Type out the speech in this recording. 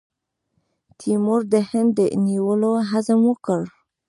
تیمور د هند د نیولو عزم وکړ.